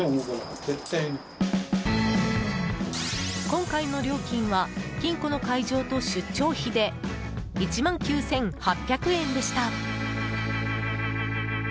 今回の料金は金庫の解錠と出張費で１万９８００円でした。